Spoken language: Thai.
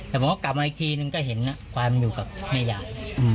แต่ผมก็กลับมาอีกทีนึงก็เห็นควายมันอยู่กับแม่ยาย